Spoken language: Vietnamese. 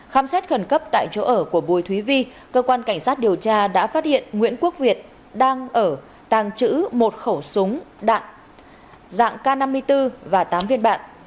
khám xét khẩn cấp tại chỗ ở của bùi thúy vi cơ quan cảnh sát điều tra đã phát hiện nguyễn quốc việt đang ở tàng trữ một khẩu súng đạn dạng k năm mươi bốn và tám viên đạn